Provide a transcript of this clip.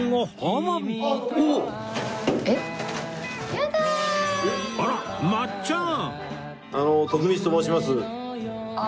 四谷のあらまっちゃん！